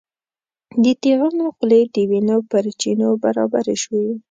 د تیغونو خولې د وینو پر چینو برابرې شوې.